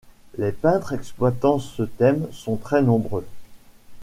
Les peintres exploitant ce thème sont très nombreux.